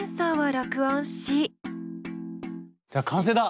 じゃあ完成だ！